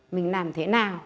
mình làm thế nào